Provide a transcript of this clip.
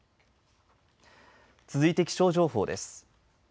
続いて気象情報です。